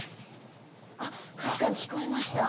あっかすかに聞こえました。